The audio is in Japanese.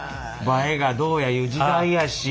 映えがどうやいう時代やし。